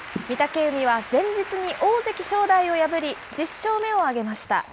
御嶽海は、前日に大関・正代を破り、１０勝目を挙げました。